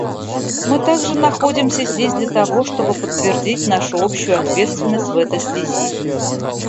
Мы также находимся здесь для того, чтобы подтвердить нашу общую ответственность в этой связи.